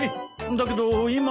だけど今。